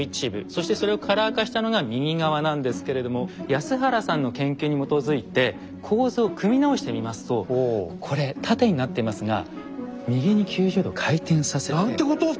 そしてそれをカラー化したのが右側なんですけれども安原さんの研究に基づいて構図を組み直してみますとこれ縦になってますが右に９０度回転させて。なんてことを！